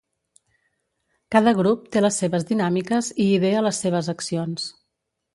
Cada grup té les seves dinàmiques i idea les seves accions.